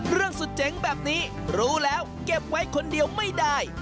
สุดเจ๋งแบบนี้รู้แล้วเก็บไว้คนเดียวไม่ได้